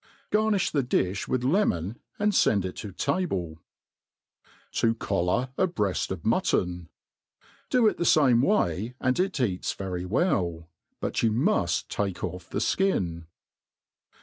Gamifli the difli with lemon, and fend it to table* To collar a Breqfi of Mutton. . BO it the fame way, and it eats very well. But you muft take off the ikin.